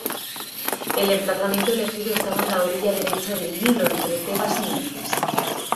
El emplazamiento elegido estaba en la orilla derecha del Nilo, entre Tebas y Menfis.